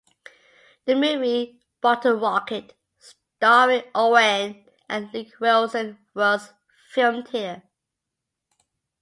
The movie "Bottle Rocket", starring Owen and Luke Wilson, was filmed here.